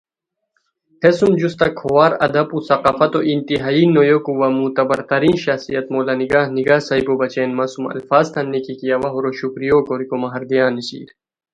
ہے سُم جوستہ کھوار ادب و ثقافتو انتہائی نویوکو وا معتبر ترین شخصیت مولانگاہ نگاہؔ صاحبو بچین مہ سُم الفاظ تان نِکی کی اوا ہورو شکریو کوریکو مہ ہردیار نیسیر